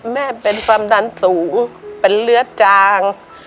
แม่เป็นความดันสูงเป็นเลือดจาง